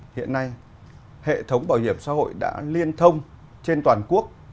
hiện nay hệ thống bảo hiểm xã hội đã liên thông trên toàn quốc